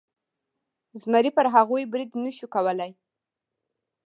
زمري پر هغوی برید نشو کولی.